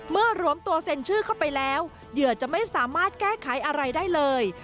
รวมตัวเซ็นชื่อเข้าไปแล้วเหยื่อจะไม่สามารถแก้ไขอะไรได้เลย